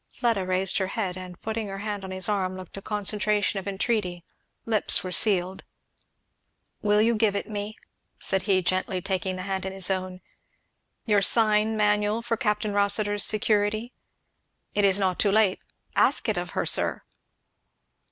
Fleda raised her head, and putting her hand on his arm looked a concentration of entreaty lips were sealed. "Will you give me," said he gently taking the hand in his own, "your sign manual for Capt. Rossitur's security? It is not too late. Ask it of her, sir!"